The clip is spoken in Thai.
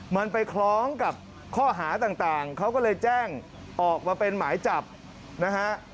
มันไปคล้องกับข้อหาต่างเขาก็เลยแจ้งออกมาเป็นหมายจับนะฮะ